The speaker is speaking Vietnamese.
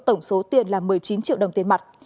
tổng số tiền là một mươi chín triệu đồng tiền mặt